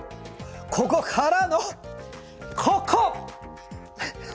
ここからのここ！